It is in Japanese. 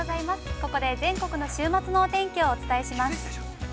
ここで全国の週末のお天気をお伝えします。